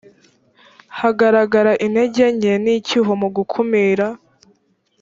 hagaragara intege nke n icyuho mu gukumira